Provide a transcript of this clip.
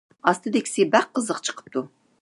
ئاستىدىكىسى بەك قىزىق چىقىپتۇ.